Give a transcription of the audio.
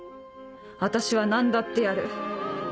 私は何だってやる。